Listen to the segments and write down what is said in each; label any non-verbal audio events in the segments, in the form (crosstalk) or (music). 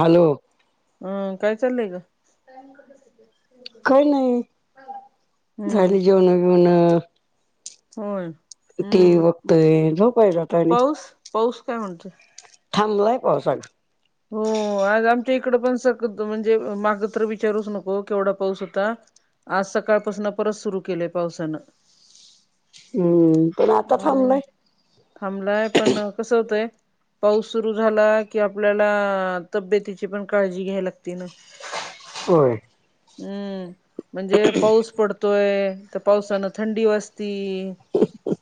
Hello हं काय चाललंय गं? (unintelligible) काही नाही हम्म झाली जेवण बेवण होय. टिव्ही हम्म बघतोय झोपायचं आता आणि पाऊस पाऊस काय म्हणतोय? थांबलाय पाऊस अगं. हो आज आमच्या इकडं पण सकतो म्हणजे मागं तर विचारूच नको केवढा पाऊस हूता. आज सकाळपासनं परत सुरू केलंय पावसानं. हम्म पण आता अ थांबलाय. थांबलाय पण कसं होतंय पाऊस सुरू झाला की आप आपल्याला तब्येतीची पण काळजी घ्यायला लागती ना. होय. हम्म म्हणजे पाऊस पडतोय तर पावसानं थंडी वाजती.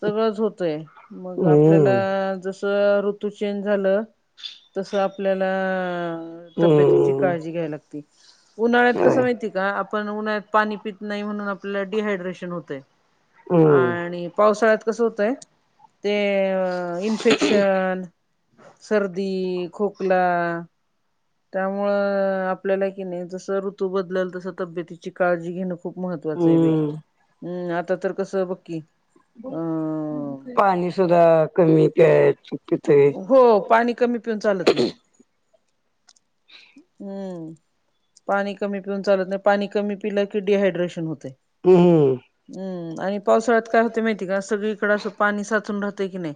सगळंच होतंय मग आपल्याला हम्म जसं तर ऋतू चेंज झालं तसं आपल्याला तब्येतीची हम्म काळजी घ्याय लागती उन्हाळ्यात कसं होय माहितीय का आपण उन्हाळ्यात पाणी पित नाही म्हणून आपल्याला डिहायड्रेशन होतंय. हम्म आणि पावसाळ्यात कसं होतंय ते अ इन्फेक्शन, सर्दी, खोकला त्यामुळं आपल्याला किणी जसं ऋतू बदलल तसं तब्येतीची काळजी घेणं खूप महत्त्वाचं आहे बाई हम्म हम्म आता तर कसं बघ की पाणी सुद्धा कमी प्यायची हो पाणी कमी पिऊन चालत नाही हम्म. पाणी कमी पिऊन चालत नाही पाणी कमी पिलं की डिहायड्रेशन होतंय. हम्म हम्म. हम्म आणि पावसाळ्यात काय होतंय माहितेय का? सगळीकडं असं पाणी साचून राहतंय की नाही.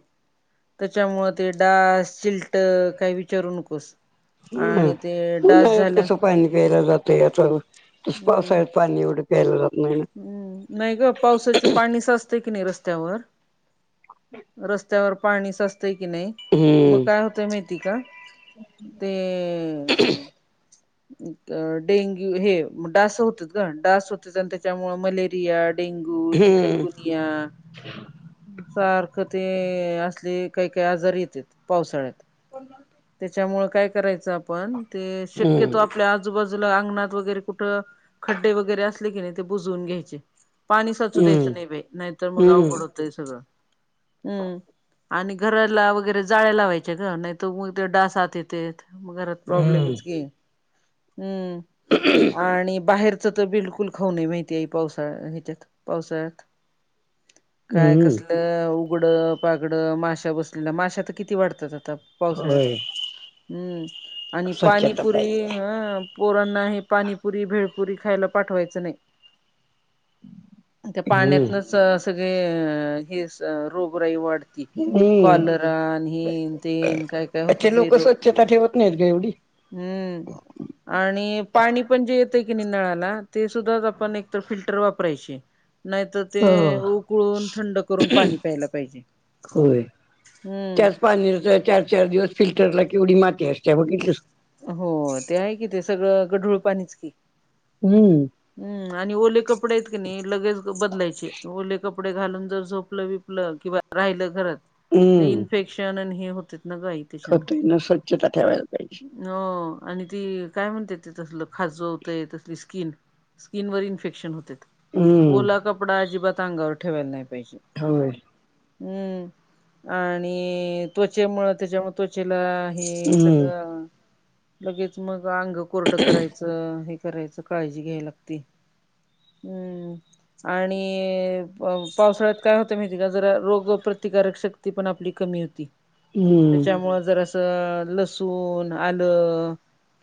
त्याच्यामुळं ते डास चिलटं काय विचारू नकोस. हम्म आणि ते डास उन्हाळ्यात झाल्या कसं पाणी प्यायला जातोय याचाव तसं हम्म पावसाळ्यात पाणी एवढं प्यायला जात नाहीन. हम्म, नाही गं पावसाचे पाणी साच ते कणी रस्त्यावर रस्त्यावर पाणी साच तय की नाही मग हम्म काय होतंय माहिती का? ते अ डेंग्यू हे म डास होतात गं डास होतात आणि त्याच्यामुळे मलेरिया डेंग्यू, हम्म चिकनगुनिया सारखं ते असले काही काही आजार येतेत पावसाळ्यात. (unintelligible) त्यामुळं काय करायचं आपण ते शेक हम्म आपल्या आजूबाजूला अंगणात वगैरे कुठं खड्डे वगैरे असले की नाही ते बुजवून घ्यायचे. पाणी साचू द्यायचं नाही बाई नाहीतर मग हम्म अवघड होतंय सगळं. हम्म, आणि घराला वगैरे जाळ्या लावायच्या गं नाही त उलते डास आत येतेत. घरात हम्म प्रॉब्लेमच की हम्म, आणि बाहेर च त बिलकुल खाऊ नये बाई ते पावसाळा ह्याच्यात पावसाळ्यात. काय हम्म कसलं उघडं पागडं माश्या बसलेल्या माश्या त किती वाढतात आता. होय पावसाळ्यात हम्म आणि स्वच्छता पाणीपुरी पाहिजे. ह पोरांना हे पाणीपुरी भेळपुरी खायला पाठवायचं नाही. त्या हम्म. पाण्यातनच सगळे हेस रोगराई वाढते. हम्म कॉलरा हेनतेन काय काय होतात बाई रोग. त्या ठेवत नाहीत ग एवढी. हम्म, आणि पाणी पण जे येतय की नाही नळाला ते सुद्धा आपण एकतर फिल्टर वापरायची. नाहीतं ते हो उकळून थंड करून पाणी प्यायला पाहिजे. होय. हम्म त्याच (unintelligible) चार चार दिवस फिल्टरला केवढी माती असत्या बघितलीस. हो ते आहे की ते सगळं गढूळ पाणीच की, हम्म, हम्म आणि ओले कपडे आहेत की नाही लगेच बदलायचे. ओले कपडे घालून जर झोपलं विपलं किंवा राहिलं घरात ते इन्फेक्शन आणि हे होते न गाई. त्याच्यानं. खातोय ना, स्वच्छता ठेवायला पाहिजे. हो आणि ती काय म्हणते ते तसलं खाजवतय ती स्किन. स्किनवर इन्फेक्शन होतेत. हम्, ओला कपडा अजिबात अंगावर ठेवायला नाही पाहिजे. होय. हम्म, आणि त्वचेमुळ त्याच्यामु त्वचेला हे हम्म सगळं लगेच मग अंग कोरडं करायचं हे करायचं काळजी घ्याय लागती. हम्म, आणि पावसाळ्यात काय होतं माहिती आहे का जरा रोगप्रतिकारक शक्ती ती पण आपली कमी होती. हम्म त्याच्यामुळ जरासं लसूण आलं,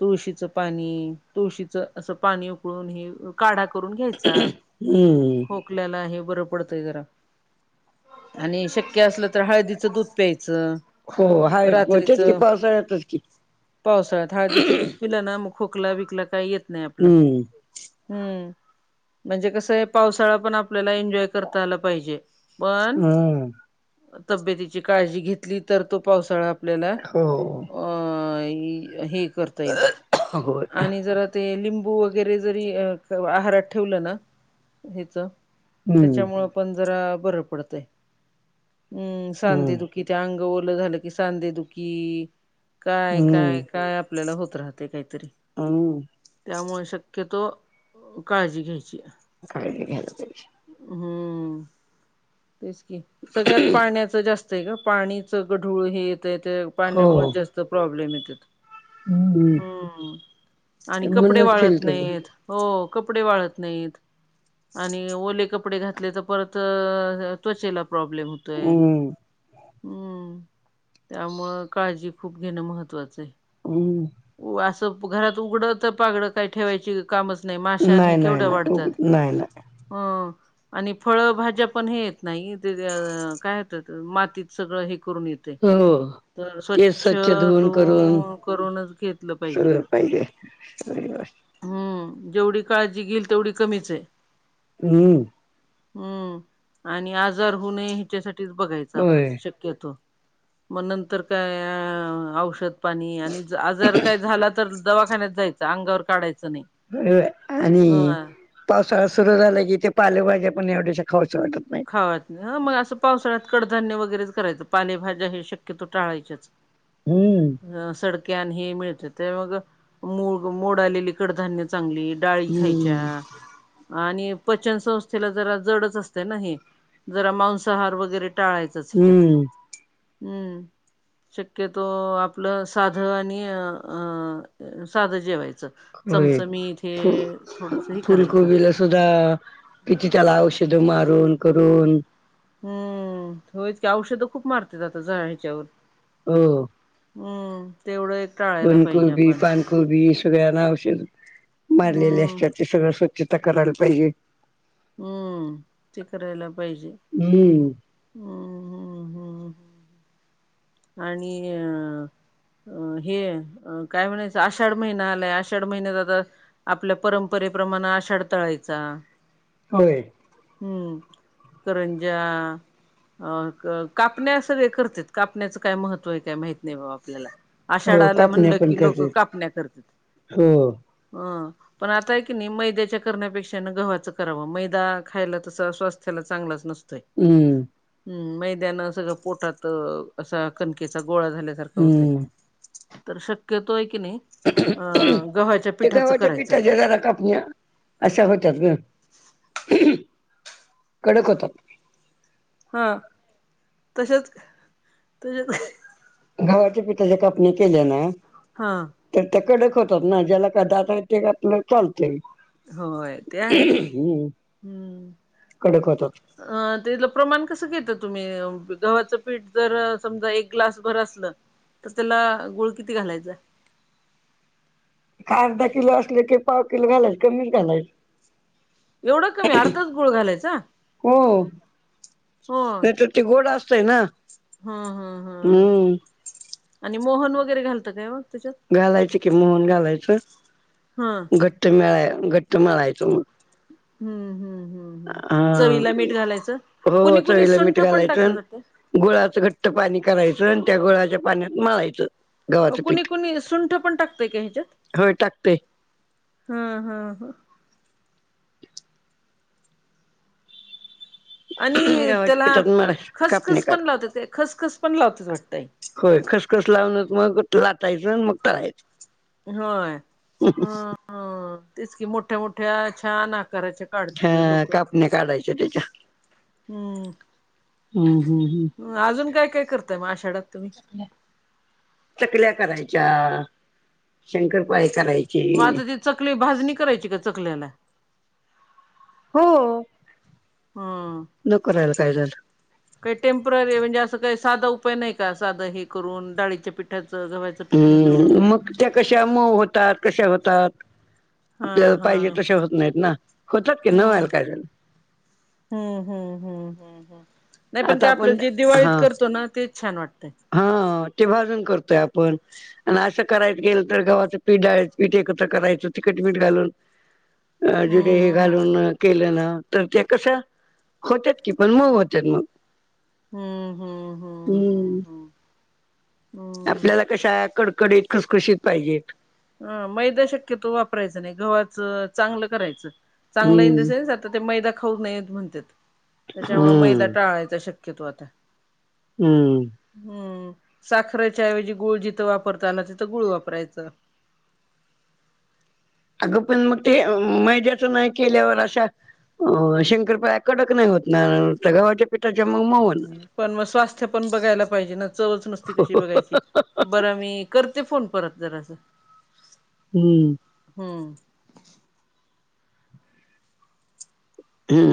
तुळशीच पाणी तुळशीच असं पाणी उकळून हे काढा करून घ्यायचा. हम्म. खोकल्याला हे बरं पडतंय जरा. आणि शक्य असलं तर हळदीच दूध प्यायचं. हो हाय तेच की रात्रीचं पावसाळ्यातच की, पावसाळ्यात हळदीचं दूध पिलं ना, मग खोकला विकला काही येत नाही आपलं. हम्म. हम्म म्हणजे कसं आहे पावसाळा पण आपल्याला एन्जॉय करता आला पाहिजे. पण हम्म तब्येतीची काळजी घेतली तर तो पावसाळा आपल्याला. हो अ हे करता येईल होय आणि जरा. ते लिंबू वगैरे जरी आहारात ठेवलं ना ह्याच. हम्म त्याच्यामुळ पण बरं पडतंय हम्म हम्म. सांधेदुखी. कि ते अंग ओलं झालं की सांधेदुखी. काय हम्म काय काय आपल्याला होत राहते काहीतरी. ह त्यामुळे शक्यतो काळजी घ्यायची. काळजी घ्यायला पाहिजे. हम्म. तेच की सगळ्यात पाण्याचं जास्त आहे का पाणीच गढूळ हे येतय त्या पाण्यामुळे हो जास्त. प्रॉब्लेम येत्यात हम्म. हम्म आणि कपडे म्हणूनच वाळत फिल्टर नाहीत. हो कपडे वाळत नाहीत आणि ओले कपडे घातले तर परत. त्वचेला प्रॉब्लेम होतोय. हम्म हम्म त्यामुळं काळजी खूप घेणं महत्वाचं आहे. हमं. असं घरात उघडत. पागड काही ठेवायची कामच नाही माशान ह नाही नाही केवढं नाही उग वाढतात नाही नाही. अ आणि फळभाज्या पण हे येत नाही काय मातीत सगळं हे करून येत हो हो ते स्वच्छ धुऊन करून धुवून करूनच घेतलं सगळ पाहिजे स हम्म जेवढी काळजी घेईल तेवढी कमीच आहे. हम्म हम्म आणि आजार होऊ नये ह्याच्यासाठीच बघायचं आपण होय. शक्य. घेतो मग नंतर काय औषध. पाणी आणि आजार काही झाला तर दवाखान्यात जायचं अंगावर काढायचं नाही. आणि हं पावसाळा सुरू झाला की ते पालेभाज्या पण एवढ्याशा खावाच वाटत नाही. मग असं पावसाळ्यात कडधान्य वगैरेच करायचं पालेभाज्या हे शक्यतो टाळायच्याच. हम्म सडक्यान हे मिळते त्या मग मळ मोड आलेली कडधान्य चांगली डाळी खायच्या हम्म. आणि पचनसंस्थेला जरा जडच अस हे जरा मांसाहार वगैरे टाळायचच ह्याच्यात हम्म. हम्म शक्यतो आपलं साधं आणि साधं जेवायचं चमच होय मी इथे फु थोडस हे करायचं. फुलकोबीला सुद्धा किती त्याला औषध मारून करून हम्म होयच की औषधं खूप मारते आात ज ह्याच्यावर हो हो. हम्म तेवढं एक टाळायला पाहिजे फनकुरबी आपण पानकुरबी सगळ्यांना औषध मारलेले हम्म असतात ते सगळं. चित करराळ (unintelligible) हम्म ते करायला पाहिजे हम्म. हम्म हम्म हम्म आणि अ अं हे काय म्हणायचं आषाढ महिना आलाय आषाढ महिन्यात आता आपल्या परंपरेप्रमाणे आषाढ तळायचा. होय. हम्म करंजा.. अ कापण्या सगळे करते कापण्याचं काय महत्त्व आहे काय माहत नाही बाबा आपल्याला. हो आषाढाला कापण्या म्हणलं पण की लोक करते. कापण्या करतात हो. अं पण आता आहे की नाही मैद्याच्या करण्यापेक्षा गव्हाचं करावं मैदा खायला तस स्वास्थ्याला चांगलंच नसतोय. हम्म हम्म मैद्यानं सगळं पोटात असा कणकेचा गोळा झाल्यासारखा होतय. हम्म तर शक्यतो आहे की नाई. ते घवाच्या करायचं. पिठाच्या जरा कापण्या अशा होतात ग कडक होतात. हा तशच त घवाचे पिटाच्या कापन्या केलया ना. हा तर ते कडक होतात ना ज्याला काय दात य ते आपलं चालतय. होय ते आहे हम्म हम्म. कडक होतात. अ तलं प्रमाण कसं घेता तुम्ही गव्हाचं पीठ जर समजा एक ग्लास भर असलं. तर त्याला गुळ किती घालायचां? का अर्धा किलो असले की पाव किलो घालायचे कमीच घालायचं. एवढं कमी अर्धच गुळ घालायचा. हो. हो. नाही तर त गोड असतय ना हा हा हा हा हम्म.. आणि मोहन वगैरे घालतं काय मग? त्याच्यात घालायचं की मोहन घालायचं हा घट्ट मिळाय घट्ट मळायचं मग हम्म हम्म हम्म हा चवीला मीठ घालायचं हो कुणी कुणी चवीला मीठ सुंठ पण टाकलं घालायचं. जात ते. गुळाचं घट्ट पाणी करायचं आणि त्या गुळाच्या पाण्यात मळायचं. गव्हाचं कुणी पीठ. कुणी सुंठ पण टाकतय का? ह्याच्यात होय टाकते ह ह ह.. आणि गव्हाच्या त्याला पिठात मळायचं कापणी खसखस पण करा लावत्यात काय? खसखस पण लावत्यात वाटतंय. होय खस खस लावणच मग लाटायचं मग तळायच. होय ह... तेच कि मोठ्या मोठ्या छान आकाराच्या. काढतात हा बाई लोक कापन्या काढायच त्याच्या. हम्म हम्म हम्म हम्म. अजून काय काय करताय म आषाढात तुम्ही? चकल्या करायच्या शंकरपाळी कराय.. मग आता ती चकली भाजणी करायची का? चकल्याला. हो हा न करायला काय झाल? काही टेम्पररी म्हणजे असं काही साधा उपाय नाही का? साधं हे करून डाळीच्या पिठाचं गव्हा हम् मग त्या कशा मऊ होतात कशा होतात? हा आपल्याला हा पाहिजे तशा होत नाहीत ना. होत्यात की न व्हायला हम्म काय झालं? हम्म हम्म हम्म हम्मम् नाही पण ते आता आपण आपलं जे दिवाळीत हा करतो ना तेच छान वाटतंय. हा ते भाजून करतोय आपण. आणि असं करायच गेल तर गव्हाचं पीठ डाळीचं पीठ एकत्र करायचं तिखट मीठ घालून. अ जिथ हे हम्म घालून अ केलं ना तर ते कस होत्यात, की पण मऊ होत्यात म. हं हं हं हम्म, हम्म आपल्याला कशा कडकडीत, खुशखुशीत पाहिजेत. ह, मैदा शक्यतो वापरायचा नाही, गव्हाच चांगल करायच. चांगल इन द हम्म सेन्स आता ते मैदा खाऊ नयेत म्हणत्यात. त्याच्यामुळ मैदा हम्म टाळायचा शक्यतो आता. हम्म हम्म, साखरेच्या ऐवजी गुळ जिथं वापरता आला तिथं गुळ वापरायच. अग पण मग ते मैदयाच नाही केल्यावर अशा अ शंकरपाळ्या कडक नाही होत ना त्या गव्हाच्या पिठाच्या मऊ-मऊ पण मग स्वास्थ्य पण बघायला पाहिजे ना चवच नुसती कशी बघायची बरं मी करते फोन परत जरा असं हम्म हम्म हम्म